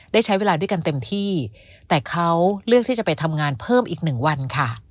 ได้ใช้เวลาด้วยกันเต็มที่แต่เขาเลือกที่จะไปทำงานเพิ่มอีกหนึ่งวันค่ะ